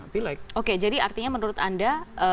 pilek oke jadi artinya menurut anda